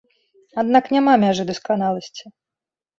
Аднак няма мяжы дасканаласці.